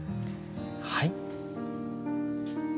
はい。